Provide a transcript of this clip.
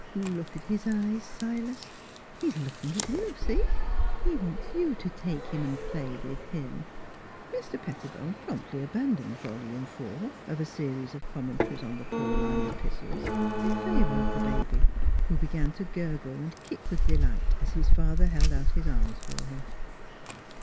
... Look at his eyes, Silas! He's looking at you, see ! he wants you to take him and play with him." Mr. Pettibone promptly abandoned Volume IV of a series of commentaries on the Pauline Epistles in favor of the baby, who began to gurgle and kick with delight as his father held out his arms for him.